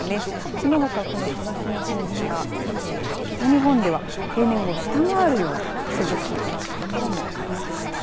そのほかも東日本から北日本では平年を下回るような涼しさとなったところもありました。